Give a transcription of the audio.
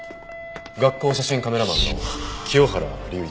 学校写真カメラマンの清原隆一。